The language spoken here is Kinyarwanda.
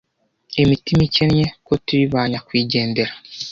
imitima ikennye ko turi ba nyakwigendera